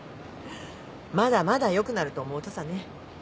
まだまだよくなると思うとさね。